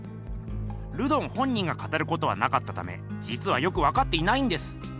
ルドン本人が語ることはなかったためじつはよくわかっていないんです。